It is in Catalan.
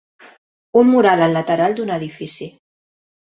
Un mural al lateral d'un edifici.